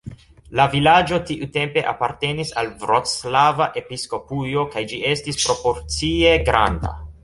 La vilaĝo tiutempe apartenis al vroclava episkopujo kaj ĝi estis proporcie granda.